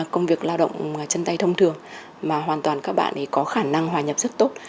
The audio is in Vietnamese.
công việc lao động chân tay thông thường mà hoàn toàn các bạn có khả năng hòa nhập rất tốt